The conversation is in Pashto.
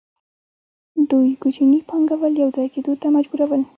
دوی کوچني پانګوال یوځای کېدو ته مجبورول